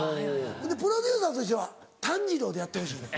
プロデューサーとしては炭治郎でやってほしいねん。